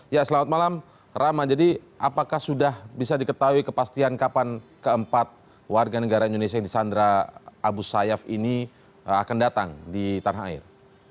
ya selamat malam rama jadi apakah sudah bisa diketahui kepastian kapan keempat warga negara indonesia yang disandra abu sayyaf ini akan datang di tanah air